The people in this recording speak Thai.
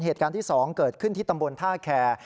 เหตุการณ์ที่๒เกิดขึ้นที่ตำบลท่าแคร์